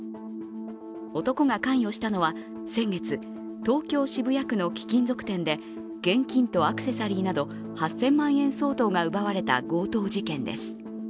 男が関与したのは先月東京・渋谷区の貴金属店で現金とアクセサリーなど８０００万円相当が奪われた強盗事件です。